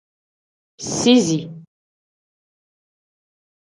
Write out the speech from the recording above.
Sizi.